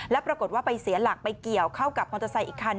แล้วปรากฏว่าไปเสียหลักไปเกี่ยวเข้ากับมอเตอร์ไซค์อีกคัน